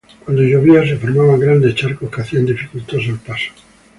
Cuando llovía se formaban grandes charcos que hacían dificultoso el paso.